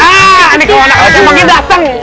ah ini kewanaan lagi dateng